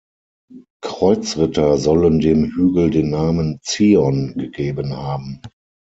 Kreuzritter sollen dem Hügel den Namen Zion gegeben haben.